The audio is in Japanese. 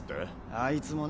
あいつもね